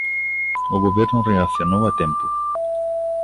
O Goberno reaccionou a tempo.